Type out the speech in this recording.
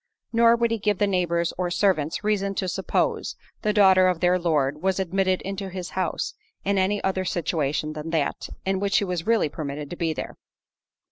Nor would he give the neighbours or servants reason to suppose, the daughter of their Lord was admitted into his house, in any other situation than that, in which she really was permitted to be there.